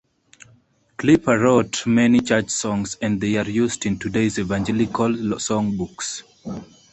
Klepper wrote many church songs and they are used in today's evangelical song books.